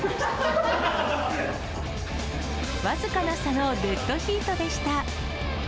僅かな差のデッドヒートでした。